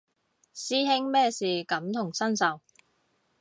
師兄咩事感同身受